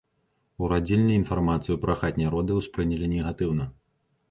У радзільні інфармацыю пра хатнія роды ўспрынялі негатыўна.